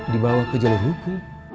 dibawa ke jalan ruku